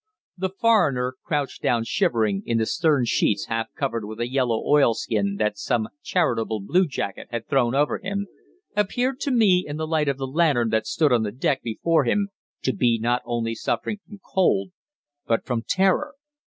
The foreigner, crouched down shivering in the stern sheets half covered with a yellow oilskin that some charitable bluejacket had thrown over him, appeared to me in the light of the lantern that stood on the deck before him to be not only suffering from cold, but from terror.